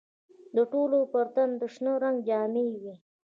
د ټولو پر تن د شنه رنګ جامې وې.